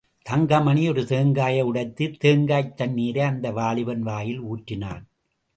தங்கமணி ஒரு தேங்காயை உடைத்துத் தேங்காய்த் தண்ணீரை அந்த வாலிபன் வாயில் ஊற்றினான்.